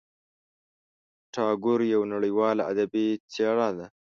ټاګور یوه نړیواله ادبي څېره ده.